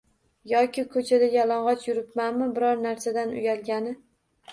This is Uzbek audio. Yoki koʻchada yalangʻoch yuribmanmi biror narsadan uyalgani?